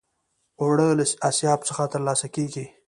اوړه له آسیاب څخه ترلاسه کېږي